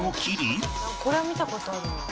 「これは見た事あるな」